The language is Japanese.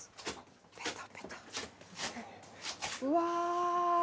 うわ。